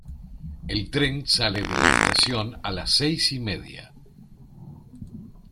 El tren sale de la estación a las seis y media